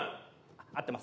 合ってます。